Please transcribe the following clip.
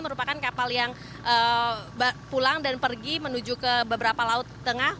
merupakan kapal yang pulang dan pergi menuju ke beberapa laut tengah